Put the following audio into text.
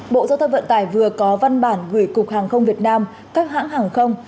bộ giao thông vận tải vừa có văn bản gửi cục hàng không việt nam các hãng hàng không